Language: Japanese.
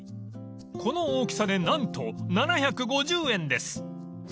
［この大きさで何と７５０円です］